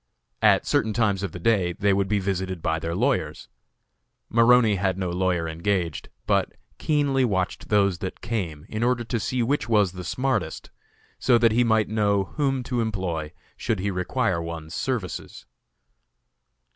At certain times of the day they would be visited by their lawyers. Maroney had no lawyer engaged, but keenly watched those that came, in order to see which was the smartest, so that he might know whom to employ should he require one's services.